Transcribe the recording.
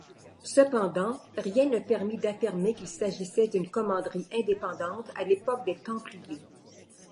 Cependant, rien ne permet d'affirmer qu'il s'agissait d'une commanderie indépendante à l'époque des Templiers.